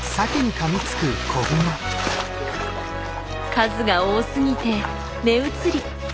数が多すぎて目移り。